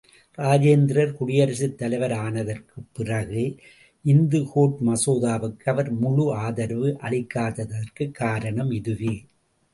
இராஜேந்திரர் குடியரசுத் தலைவர் ஆனதற்குப் பிறகு, இந்துகோட் மசோதாவுக்கு அவர் முழு ஆதரவு அளிக்காததற்குக் காரணம் இதுவே.